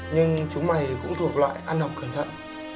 nhưng chúng mày cũng thuộc loại ăn học cẩn thận